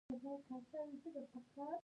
د فرهنګ ناتواني باید وپېژندل شي